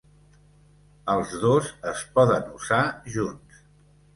Els dos es poden usar junts.